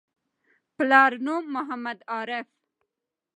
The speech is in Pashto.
پلار نوم: محمد عارف